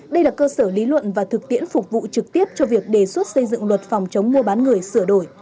đây là cơ sở lý luận và thực tiễn phục vụ trực tiếp cho việc đề xuất xây dựng luật phòng chống mua bán người sửa đổi